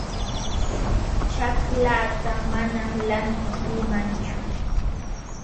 Ćhaklaata manam lantikuumanchu